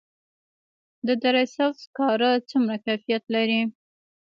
د دره صوف سکاره څومره کیفیت لري؟